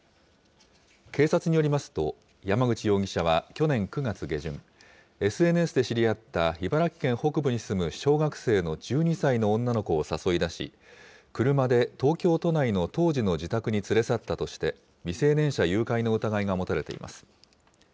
警察によりますと、山口容疑者は去年９月下旬、ＳＮＳで知り合った茨城県北部に住む小学生の１２歳の女の子を誘い出し、車で東京都内の当時の自宅に連れ去ったとして、未成年者誘拐の疑いが持たれています。